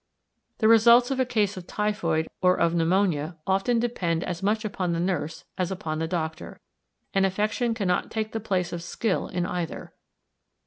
The results of a case of typhoid or of pneumonia often depend as much upon the nurse as upon the doctor; and affection cannot take the place of skill in either.